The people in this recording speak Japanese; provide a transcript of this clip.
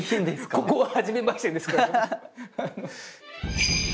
ここは初めましてですけど。